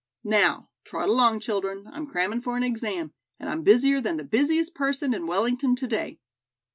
Now, trot along, children, I'm cramming for an exam., and I'm busier than the busiest person in Wellington to day."